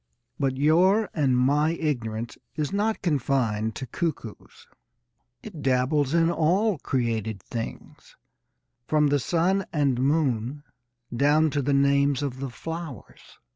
But your and my ignorance is not confined to cuckoos. It dabbles in all created things, from the sun and moon down to the names of the flowers.